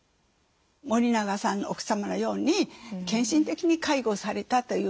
森永さんの奥様のように献身的に介護されたという時にですね